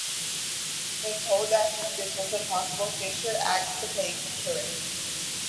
When told that this was impossible, Fischer asked to play Keres.